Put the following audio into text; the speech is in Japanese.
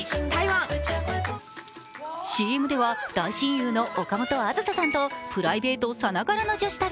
ＣＭでは大親友の岡本あずささんとプライベートさながらの女子旅。